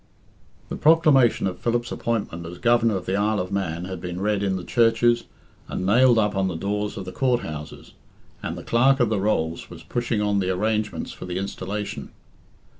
The proclamation of Philip's appointment as Governor of the Isle of Man had been read in the churches, and nailed up on the doors of the Court houses, and the Clerk of the Rolls was pushing on the arrangements for the installation.